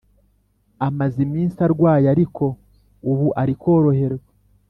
Amaze iminsi arwaye ariko ubu ari koroherwa